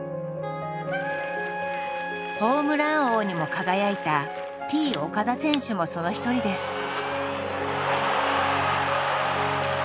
ホームラン王にも輝いたＴ−岡田選手もその一人です。